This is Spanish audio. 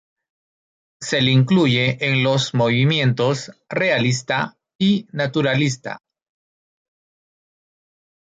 Se le incluye en los movimientos realista y naturalista.